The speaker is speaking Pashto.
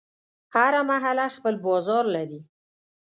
هره محله خپل بازار لري.